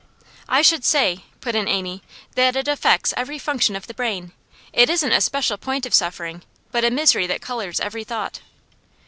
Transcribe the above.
'I should say,' put in Amy, 'that it affects every function of the brain. It isn't a special point of suffering, but a misery that colours every thought.